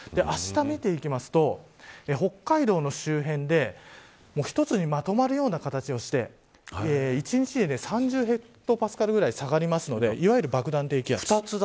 あした見ていきますと北海道の周辺で１つにまとまるような形をして１日で３０ヘクトパスカルくらい下がるのでいわゆる爆弾低気圧。